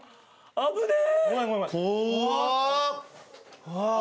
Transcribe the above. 危ねえ！